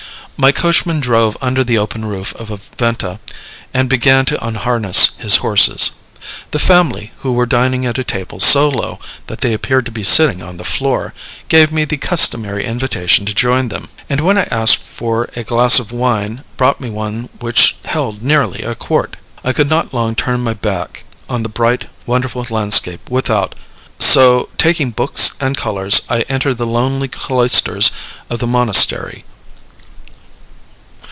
My coachman drove under the open roof of a venta, and began to unharness his horses. The family, who were dining at a table so low that they appeared to be sitting on the floor, gave me the customary invitation to join them, and when I asked for a glass of wine brought me one which held nearly a quart. I could not long turn my back on the bright, wonderful landscape without; so, taking books and colors, I entered the lonely cloisters of the monastery.